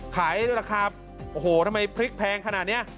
ขายราคาโอ้โหทำไมพริกแพงขนาดนี้